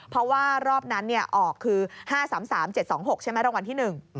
เพราะว่ารอบนั้นออกคือ๕๓๓๗๒๖ใช่ไหมรางวัลที่๑